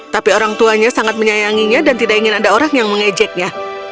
tapi orang tuanya sangat menyayanginya dan tidak ingin ada orang yang mengejeknya